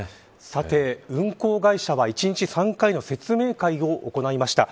さて、運航会社は１日３回の説明会を行いました。